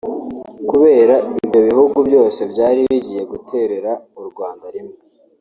Kubera ibyo bihugu byose byari bigiye guterera u Rwanda rimwe